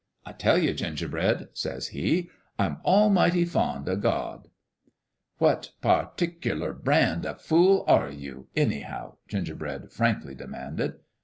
I tell you, Gingerbread," says he, "I'm almighty fond o' God !"" What par tick a lar brand o' fool are you, anyhow ?" Gingerbread frankly demanded.